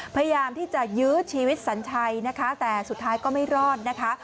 พยายามที่จะยื้อชีวิตสัญชัยนะคะแต่สุดท้ายก็ไม่รอดนะคะ